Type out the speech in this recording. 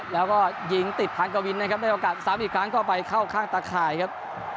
แล้วก็ยิงติดทางกวินนะครับได้โอกาสซ้ำอีกครั้งก็ไปเข้าข้างตาข่ายครับ